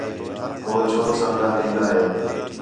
ہو چھور ساں ڳاہلین٘دا ہِے